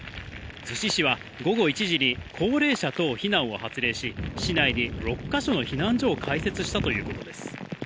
逗子市は、午後１時に高齢者等避難を発令し、市内に６か所の避難所を開設したということです。